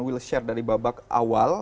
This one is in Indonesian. wiltshire dari babak awal